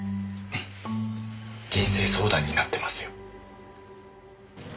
人生相談になってますよ。